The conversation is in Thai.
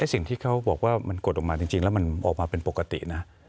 สิ่งที่เขาบอกว่ามันกดออกมาจริงแล้วมันออกมาเป็นปกตินะ